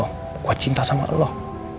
karena gue tau cinta tuh bukan kata kata